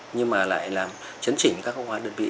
nhưng mà lại là chấn chỉnh các khoán đơn vị